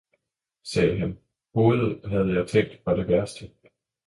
sagde han, hovedet havde jeg tænkt, var det værste!